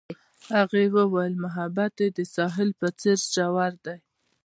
هغې وویل محبت یې د ساحل په څېر ژور دی.